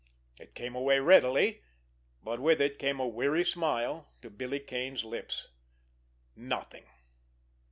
It came away readily, but with it came a weary smile to Billy Kane's lips. Nothing!